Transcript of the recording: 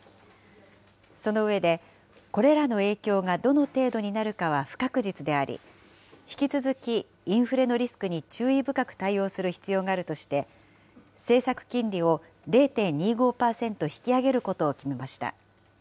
その上で、これらの影響がどの程度になるかは不確実であり、引き続きインフレのリスクに注意深く対応する必要があるとして、政策金利を０．２５％引き上げることを決めました。